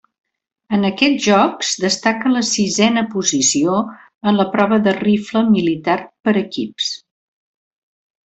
En aquests Jocs destaca la sisena posició en la prova de rifle militar per equips.